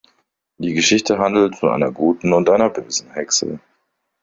Die Geschichte handelt von einer guten und einer bösen Hexe.